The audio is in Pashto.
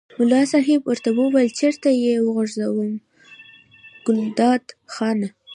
ملا صاحب ورته وویل چېرته یې وغورځوم ګلداد خانه.